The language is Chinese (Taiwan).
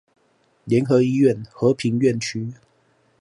聯合醫院和平院區